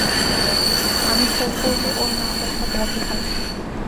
আমি ফোন করলে ওর নম্বরটা বন্ধ পাই।